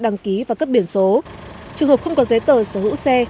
đăng ký và cấp biển số trường hợp không có giấy tờ sở hữu xe